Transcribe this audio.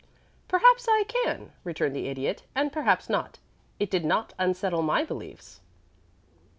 "Perhaps I can," returned the Idiot; "and perhaps not. It did not unsettle my beliefs."